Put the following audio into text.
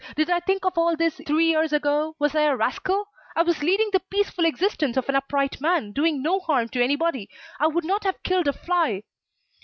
Did I think of all this three years ago? Was I a rascal? I was leading the peaceful existence of an upright man, doing no harm to anybody. I would not have killed a fly."